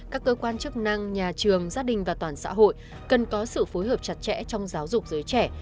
các cơ quan chức năng nhà trường gia đình và toàn xã hội cần có sự phối hợp chặt chẽ trong giáo dục giới trẻ